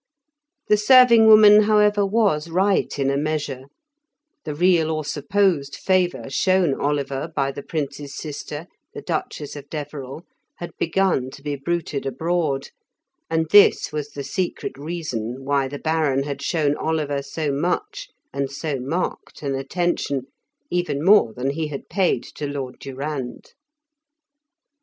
The serving woman, however, was right in a measure; the real or supposed favour shown Oliver by the Prince's sister, the Duchess of Deverell, had begun to be bruited abroad, and this was the secret reason why the Baron had shown Oliver so much and so marked an attention, even more than he had paid to Lord Durand.